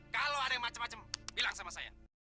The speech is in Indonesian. kalau ada yang macem macem bilang sama saya